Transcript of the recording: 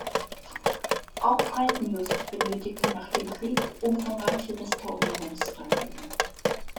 Auch Falkenlust benötigte nach dem Krieg umfangreiche Restaurierungsarbeiten.